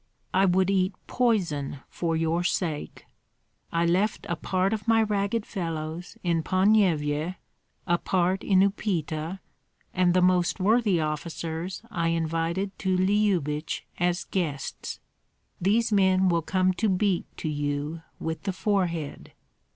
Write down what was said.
"I would eat poison for your sake! I left a part of my ragged fellows in Ponyevyej, a part in Upita, and the most worthy officers I invited to Lyubich as guests. These men will come to beat to you with the forehead."